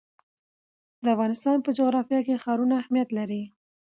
د افغانستان په جغرافیه کې ښارونه اهمیت لري.